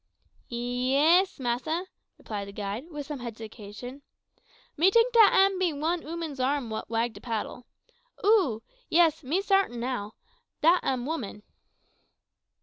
"Ye is, massa," replied the guide, with some hesitation. "Me tink dat am be one ooman's arm what wag de paddil. Oh! yis, me sartin sure now, dat am a ooman."